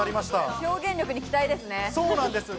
表現力に期待ですね。